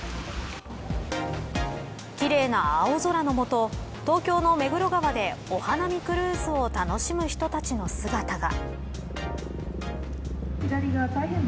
奇麗な青空の下東京の目黒川でお花見クルーズを楽しむ人たちの姿が。